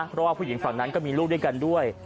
เพราะว่าผู้หญิงฝั่งนั้นก็มีลูกด้วยกันด้วย